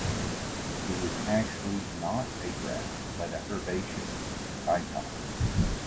It is actually not a grass, but an herbaceous dicot.